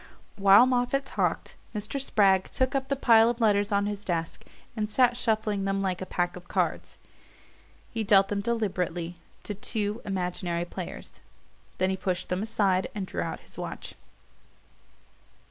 While Moffatt talked Mr. Spragg took up the pile of letters on his desk and sat shuffling them like a pack of cards. He dealt them deliberately to two imaginary players; then he pushed them aside and drew out his watch.